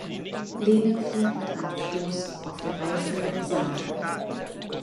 Lene flieht mit einem Floß auf der reißenden Saale.